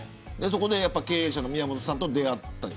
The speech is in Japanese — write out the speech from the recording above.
そこで経営者の宮本さんと出会った。